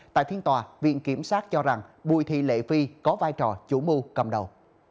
tại thiên tòa viện kiểm sát cho rằng bùi thị lệ phi có vai trò chủ mưu cầm đầu